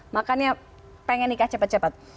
makanya pengen nikah cepat cepat